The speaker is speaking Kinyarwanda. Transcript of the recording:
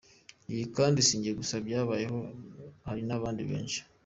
Ibi kandi sinjye gusa byabayeho hari n’abandi benshi.